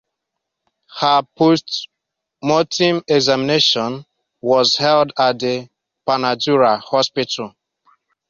Her postmortem examination was held at the Panadura hospital.